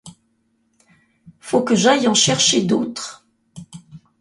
Faut que j'aille en chercher d'autre.